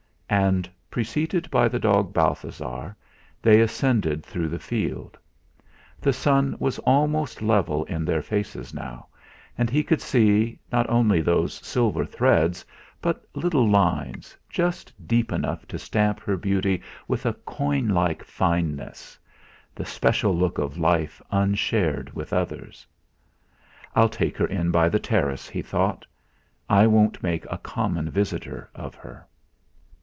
And, preceded by the dog Balthasar, they ascended through the field. The sun was almost level in their faces now, and he could see, not only those silver threads, but little lines, just deep enough to stamp her beauty with a coin like fineness the special look of life unshared with others. "I'll take her in by the terrace," he thought: "I won't make a common visitor of her."